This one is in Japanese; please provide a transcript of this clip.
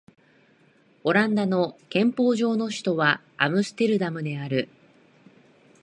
オランダの憲法上の首都はアムステルダムである